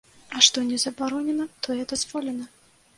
А што не забаронена, тое дазволена.